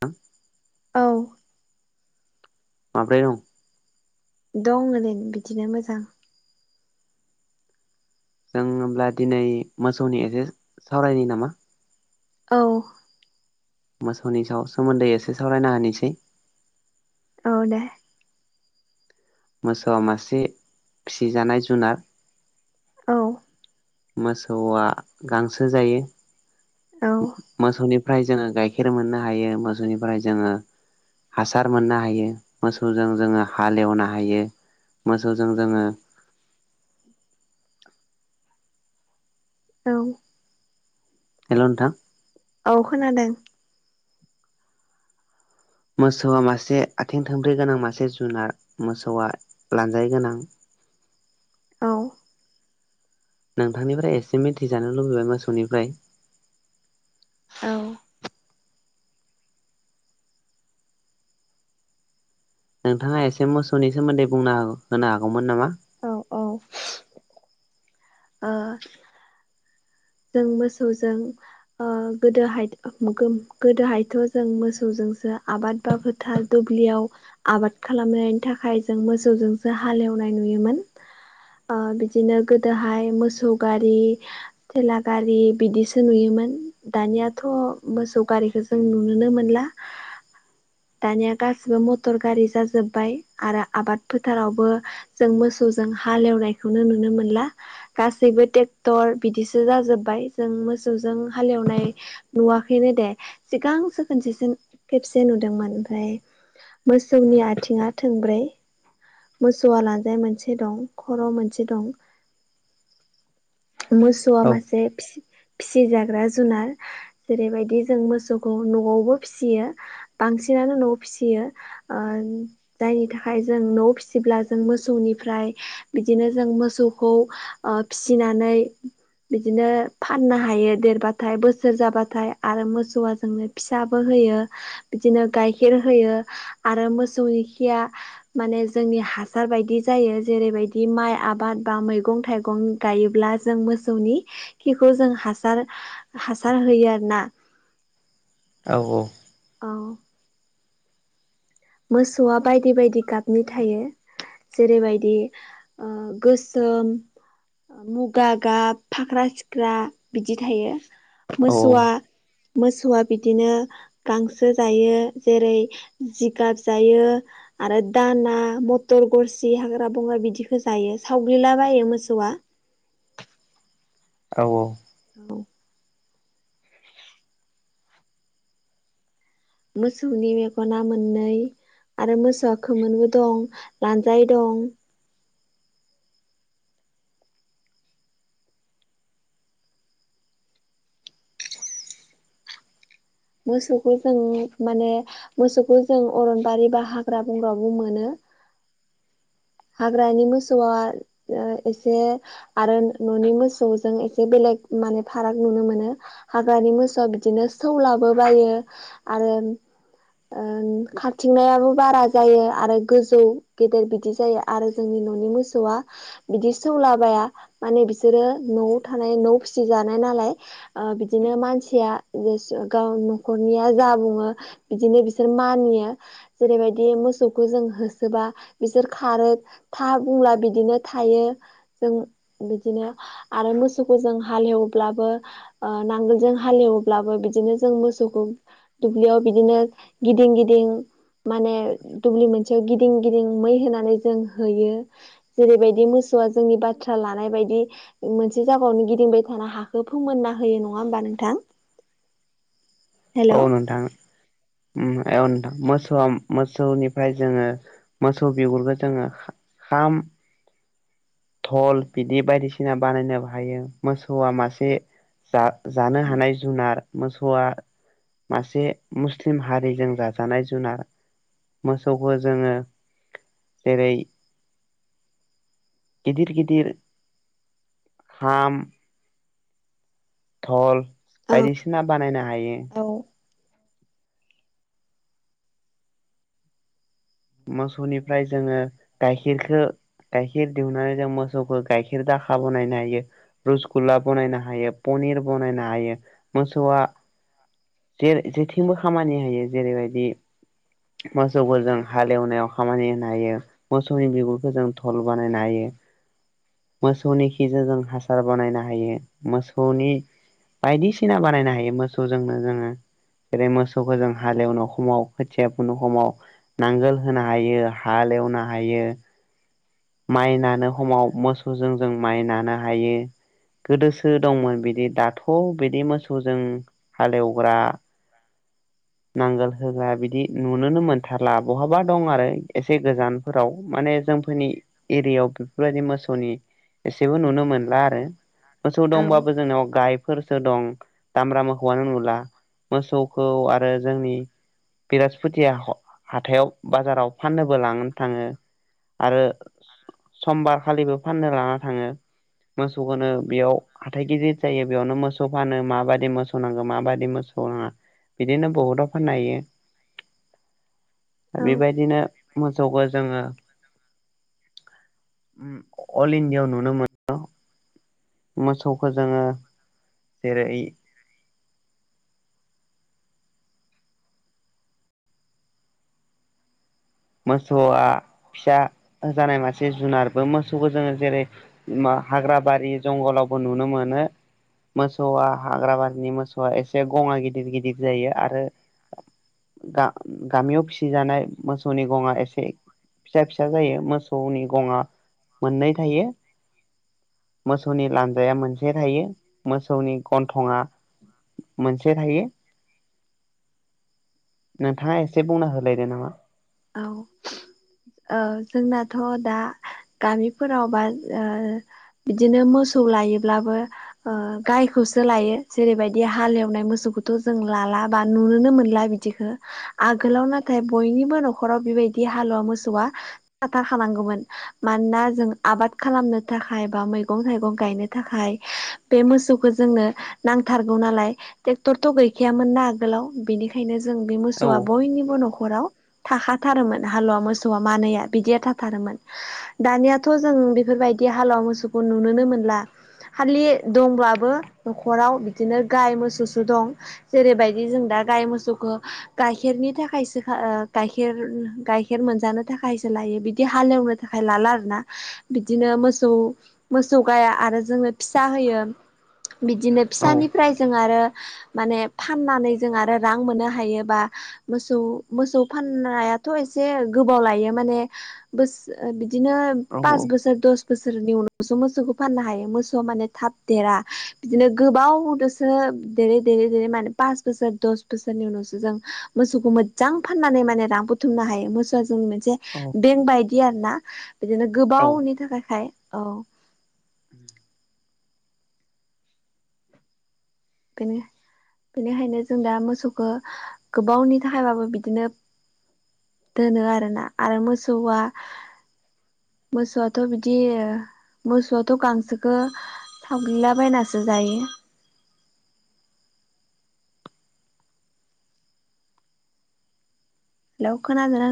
थां। औ माब्रै दं? दं ओरैनो बिदिनो मोजां। जों होमब्ला दिनै मोसौनि एसे सावरायनि नामा। औ मोसौनि सायाव सोमोन्दै एसे सावरायना होनोसै। औ दे। मोसौआ मासे फिसिजानाय जुनार औ मोसौआ गांसो जायो। औ मोसौनिफ्राय जोङो गाइखेर मोननो हायो मोसौनिफ्राय जोङो हासार मोननो हायो, मोसौजों जोङो हालेवनो हायो। मोसौजों जोङो औ हेल' नोंथां। औ खोनादों मोसौआ मासे आथिं थोंब्रै गोनां मासे जुनार, मोसौआ लानजाय गोनां औ नोंथांनिफ्राय एसे मिथिजानो लुबैबाय मोसौनिफ्राय औ नोंथाङा एसे मोसौनि सोमोन्दै बुंना होनो हागौमोन नामा? औ औ। ओ जों मोसौजों ओ गोदोहाय गोम गोदोहायथ' जों मोसौजोंसो आबाद बा फोथार दुब्लियाव आबाद खालामनायनि थाखाय जों मोसौजोंसो हालेवनाय नुयोमोन। ओ बिदिनो गोदोहाय मोसौ गारि थेला गारि बिदिसो नुयोमोन। दानियाथ' मोसौ गारिखौ जों नुनोनो मोनला। दानिया गासिबो मटर गारि जाजोब्बाय आरो आबाद फोथारावबो जों मोसौजों हालेवनायखौनो नुनो मोनला गासैबो ट्रेक्टर बिदिस सो जाजोबबाय जों मोसौजों हालेवनाय नुवाखैनो दे सिगांसो खोनसेसो खेबसे नुदोंमोन ओमफ्राय मोसौनि आथिङा थोंब्रै। मोसौआ लानजाय मोनसे दं, खर' मोनसे दं मोसौआ मासे फिसिजाग्रा जुनार। जेरैबायदि जों मोसौखौ न'आवबो फिसियो बांसिनानो न'आव फिसियो। ओ जायनि थाखाय जों न'आव फिसिब्ला जों मोसौनिफ्राय बिदिनो जों मोसौखौ ओ फिसिनानै बिदिनो फाननो हायो देरबाथाय बोसोर जाबाथाय आरो मोसौआ जोंनो फिसाबो होयो बिदिनो गाइखेर होयो आरो मोसौनि खिया माने जोंनि हासार बायदि जायो जेरैबायदि माइ आबाद बा मैगं थाइगं गायोब्ला जों मोसौनि खिखौ जों हासार हासार होयो आरोना। औ औ। औ मोसौआ बायदि बायदि गाबनि थायो जेरैबायदि ओ गोसोम मुगा गाब, फाख्रा सिख्रा बिदि थायो औ मोसौआ मोसौआ बिदिनो गांसो जायो जेरै जि गारजायो आरो दाना मथर गरसि हाग्रा बंग्रा बिदिखो जायो सावग्लिलाबायो मोसौआ औ औ औ मोसौनि मेगना मोननै आरो मोसौआ खोमोनबो दं लानजाय दं मोसौखौ जों माने मोसौखौ जों अरनबारि बा हाग्रा बंग्राबो मोनो हाग्रानि मोसौआ ओ एसे आरो न'नि मोसौजों एसे बेलेग माने फाराग नुनो मोनो हाग्रानि मोसौआ बिदिनो सौलाबो बायो आरो ओ खारथिंनायाबो बारा जायो आरो गोजौ गेदेर बिदि जायो आरो जोंनि न'नि मोसौआ बिदि सौलाबाया माने बिसोरो न'आव थानाय न' फिसिजानाय नालाय ओ बिदिनो मानसिया जे गाव न'खरनिया जा बुंङो। बिदिनो बिसोर मानियो जेरैबायदि मोसौखौ जों होसोबा बिसोर खारो था बुंला बिदिनो थायो। जों बिदिनो आरो मोसौखौ जों हालेवब्लाबो ओ नांगोलजों हालेवब्लाबो बिदिनो जों मोसौखौ दुब्लियाव बिदिनो गिदिं गिदिं माने दुब्लि मोनसेयाव गिदिं गिदिं मै होनानै जों होयो। जेरैबायदि मोसौआ जोंनि बाथ्रा लानाय बायदि मोनसे जागायावनो गिदिंबाय थाना हाखौ फोमोनना होयो नंङा होमबा नोंथां हेलौ औ नोंथां ओम ए नोथां मोसौ मोसौनिफ्राय जोंङो मोसौ बिगुरखौ जोंङो। खाम धल बिदि बायदिसिना बानायनो हायो मोसौआ मासे जा-जानो हानाय जुनार मोसौआ मासे मुस्लिम हारिजों जाजानाय जुनार मोसौखौ जोंङो जेरै- गिदिर गिदिर हाम धल औ बायदिसिना बानायनो हायो। औ मोसौनिफ्राय जोंङो गाइखेरखो गाय गाइखेर दिहुननानै जों मोसौखौ गाइखेर दाखा बानायनो हायो रसगुल्ला बनायनो हायो पनिर बनायनो हायो मोसौआ जे जेथिंबो खामानि होयो जेरैबायदि मोसौखो जों नायाव खामानि होनो हायो मोसौनि बिगुरखौ जों धल बानायनो हायो। मोसौनि खिजों जों हासार बानायनो हायो मोसौनि बायदिसिना बानायनो हायो मोसौजोंनो जोंङो जेरै मोसौखो जों हालेवनाय समाव खोथिया फोनो समाव नांगोल होनो हायो हाल एवनो हायो। माइ नानो खमाव मोसौजों जों माइ नानो हायो। गोदोसो दंमोन बिदि दाथ' बिदि मोसौजों हालेवग्रा नांगोल होग्रा बिदि नुनोनो मोनथारला बहाबा दं आरो एसे गोजानफोराव माने जोंफोरनि एरियायाव बेफोरबायदि मोसौनि एसेबो नुनो मोनला आरो। मोसौ दंबाबो जोंनाव गाय फोरसो दं दामब्रा मोसौआनो नुला मोसौखौ आरो जोंनि बिराजपुति हाथायाव बाजाराव फाननोबो लांनो थांङो आरो समबारखालिबो फाननो लाना थांङो मोसौखौनो बेयाव हाथाय गिदिर जायो बेयावनो मोसौ फानो माबयदि मोसौ नांगौ माबाददि मोसौ नांङा बिदिनो बहुताव फानहो औ बेबायदिनो मोसौखौ जोंङो उ अल इण्डियाआव नुनो मोननो मोसौखौ जोंङो जेरै मोसौआ फिसा होजानाय मासे जुनारबो मोसौखौ जोंङो जेरै मा हाग्रा बारि जंगलावबो नुनो मोनो। मोसौआ हाग्रा बारिनि मोसौआ एसे गंङा गिदिर गिदिर जायो आरो गा-गामियाव फिसिजानाय गंङा एसे फिसा फिसा जायो मोसौनि गंङा मोननै थायो। मोसौनि लान्जाया मोनसे थायो मोसौनि गन्थंआ मोनसे थायो नोंथांङा एसे बुंना होलायदो नामा? औ ओ जोंनाथ' दा गामिफोरावबा बिदिनो मोसौ लायोब्लाबो गायखौसो लायो जेरैबायदि हालेवनाय मोसौखौथ' जों लाला बा नुनोनो मोनला बिदि। बिदिखौ आगोलाव नाथाय बयनिबो न'खराव बेबायदि हालुवा मोसौआ खाबथाखानांगौमोन। मानोना जों आबाद खालामनो थाखाय बा मैगं थाइगं गायनो थाखाय बे मोसौखौ जोंङनो नांथारगौ नालाय ट्रेक्टरथ' गैखायामोन ना आगोलाव बेनिखायनो जों जों बे औ मोसौआ बयनिबो न'खराव थाखाथारोमोन हालुवा मोसौआ मानैया बिदिया थाथारोमोन। दानियाथ' जों बेफोरबायदि हालुवा मोसौखौ नुनोनो मोनला खालि दंब्लाबो न'खराव बिदिनो गाय मोसौसो दं। जेरैबायदि जों दा गाय मोसौखौ गाइखेरनि थाखायसो गाइखेर गाइखेर मोनजानो थाखायसो लायो बिदि हालेवनो थाखाय लाला आरोना बिदिनो मोसौ मोसौ गाया आरो जोंनो फिसा होयो बिदिनो फिसानिफ्राय जों आरो माने फाननानै जों आरो रां मोनो हा हायोबा मोसौ मोसौ फाननायाथ' एसे गोबाव लायो माने बो बिदिनो पास औ बोसोर दस बोसोरनि उनावसो मोसौखौ फाननो हायो मोसौ माने थाब देरा बिदिनो गोबाव जोंङो देरै देरै माने पास बसोर दस बसारननि उनावसो जों मोसौखौ मोजां फाननानै माने रां बुथुमनो हायो। मोसौआ जों मोनसे औ बेंक बायदि आरो ना बिदिनो औ गोबावनि थाखायखाय औ बिनिनो बेनिखायनो जों दा मोसौखौ गोबावनि थाखायबाबो बिदिनो दोनो आरोना आरो मोसौआ मोसौआथ' बिदि मोसौआथ' गांसोखो थावग्लिलाबायनासो जायो। हेल' खोनादोंना?